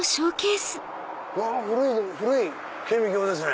古い顕微鏡ですね。